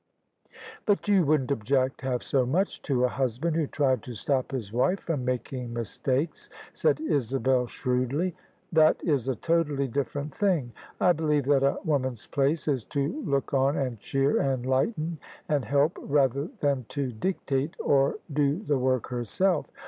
" But you wouldn't object half so much to a husband who tried to stop his wife from making mistakes," said Isabel shrewdly. "That is a totally different thing. I believe that a woman's place is to look on and cheer and lighten and help rather than to dictate or do the work herself.